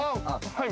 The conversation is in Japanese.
はい。